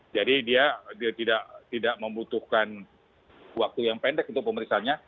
jadi dia tidak membutuhkan waktu yang pendek untuk pemeriksanya